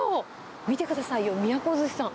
見てくださいよ、都寿司さん。